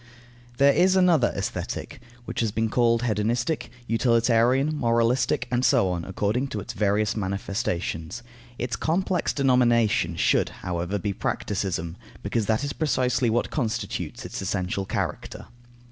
There is another Aesthetic, which has been called hedonistic, utilitarian, moralistic, and so on, according to its various manifestations. Its complex denomination should, however, be practicism, because that is precisely what constitutes its essential character.